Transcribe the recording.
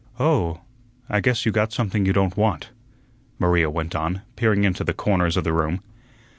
"Oh, I guess you got something you don't want," Maria went on, peering into the corners of the room.